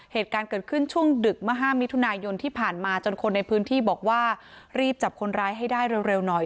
เหตุการณ์เกิดขึ้นช่วงดึกเมื่อ๕มิถุนายนที่ผ่านมาจนคนในพื้นที่บอกว่ารีบจับคนร้ายให้ได้เร็วหน่อย